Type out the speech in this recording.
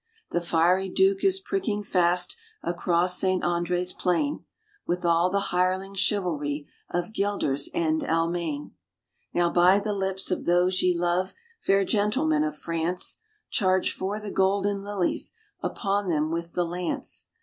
The fiery Duke is pricking fast across Saint Andre's plain. With all the hireling chivalry of Guelders and Almayne. Now by the lips of those ye love, fair gentlemen of France, Charge for the golden lilies, upon them with the lance!